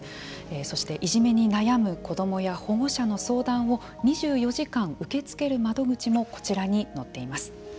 そしていじめに悩む子どもや保護者の相談を２４時間、受け付ける窓口もこちらに載っています。